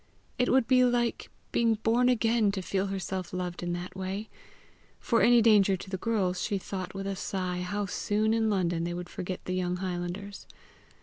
It would be like being born again to feel herself loved in that way! For any danger to the girls, she thought with a sigh how soon in London they would forget the young highlanders.